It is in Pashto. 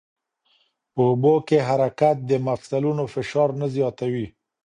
په اوبو کې حرکت د مفصلونو فشار نه زیاتوي.